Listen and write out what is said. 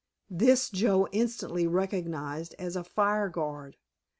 This Joe instantly recognized as a "fire guard."